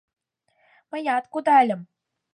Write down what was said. Мыят кудальым.